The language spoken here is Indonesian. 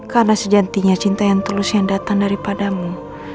karena sejantinya cinta yang telus yang datang daripadamu